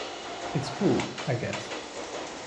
It's cool-I guess.